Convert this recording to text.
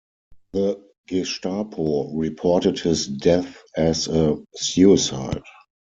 The Gestapo reported his death as a suicide.